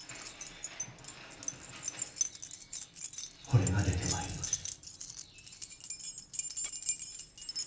これが出てまいりました。